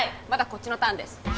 こっちのターンです